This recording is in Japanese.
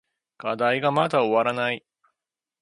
課題がまだ終わらない。